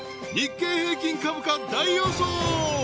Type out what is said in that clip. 日経平均株価大予想！